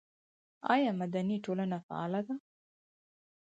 آیا مدني ټولنه فعاله ده؟